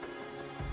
dia juga menangis